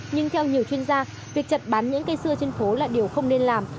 nhưng theo nhiều chuyên gia việc chặt bán những cây xưa trên phố là điều không nên làm